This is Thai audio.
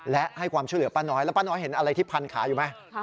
และให้ความช่วยเหลือป้าน้อยแล้วป้าน้อยเห็นอะไรที่พันขาอยู่ไหม